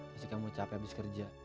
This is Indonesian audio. masih kamu capek abis kerja